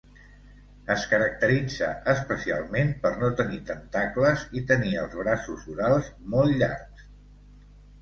Es caracteritza especialment per no tenir tentacles i tenir els braços orals molt llarg.